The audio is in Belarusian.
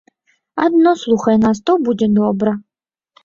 Адно слухай нас, то будзе добра.